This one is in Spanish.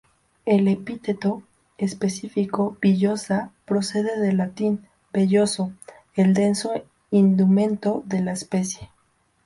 El epíteto específico "villosa" procede del latín, "velloso" al denso indumento de la especie.